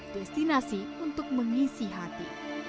destinasi untuk mengisi hati